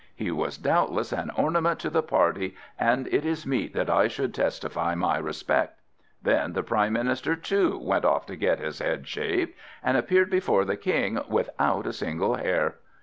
He was doubtless an ornament to the party, and it is meet that I should testify my respect." Then the Prime Minister too went off to get his head shaved, and appeared before the King without a single hair.